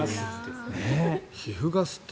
皮膚ガスって。